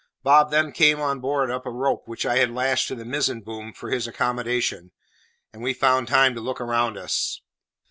Bob then came on board up a rope which I had lashed to the mizzen boom end for his accommodation; and we found time to look around us.